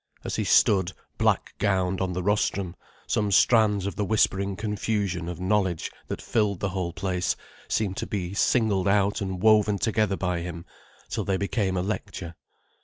As he stood, black gowned, on the rostrum, some strands of the whispering confusion of knowledge that filled the whole place seemed to be singled out and woven together by him, till they became a lecture.